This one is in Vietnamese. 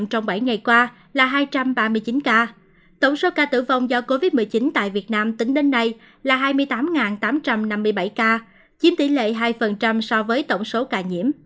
tổng số ca tử vong do covid một mươi chín tại việt nam tính đến nay là hai mươi tám tám trăm năm mươi bảy ca chiếm tỷ lệ hai so với tổng số ca nhiễm